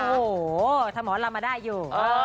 โอ้โหถ้าหมอลำมาได้อยู่